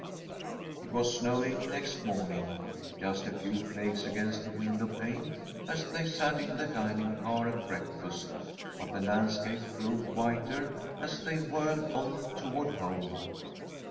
'" It was snowing next morning, just a few flakes against the window pane, as they sat in the dining car at breakfast, but the landscape grew whiter as they whirled on toward home.